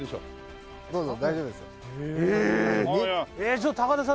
ちょっと高田さん